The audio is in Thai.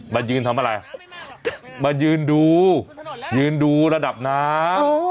มายืนทำอะไรมายืนดูยืนดูระดับน้ำ